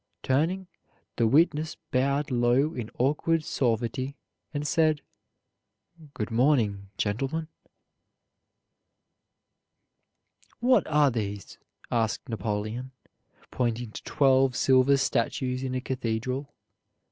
Turning, the witness bowed low in awkward suavity, and said, "Good morning, gentlemen." "What are these?" asked Napoleon, pointing to twelve silver statues in a cathedral.